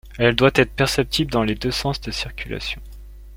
Elle doit être perceptible dans les deux sens de circulation.